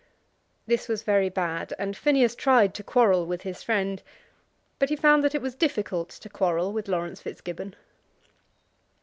This was very bad, and Phineas tried to quarrel with his friend; but he found that it was difficult to quarrel with Laurence Fitzgibbon.